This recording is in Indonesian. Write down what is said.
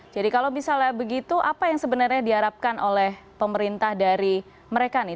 jadi kalau misalnya begitu apa yang sebenarnya diharapkan oleh pemerintah dari mereka nih